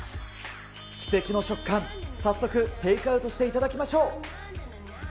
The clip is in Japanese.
奇跡の食感、早速テイクアウトしていただきましょう。